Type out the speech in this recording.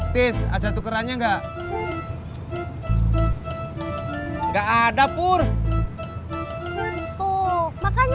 tis ada tukerannya enggak nggak ada pur tuh makanya tersore aja udah